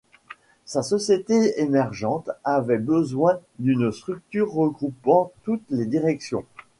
Sa société émergente avait besoin d'une structure regroupant toutes les directions.